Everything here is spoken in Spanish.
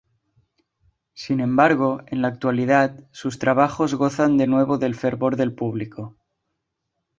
Sin embargo, en la actualidad, sus trabajos gozan de nuevo del favor del público.